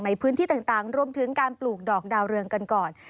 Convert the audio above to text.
ในพื้นที่ต่างรวมถึงการปลูกดอกดาวเรืองกันก่อน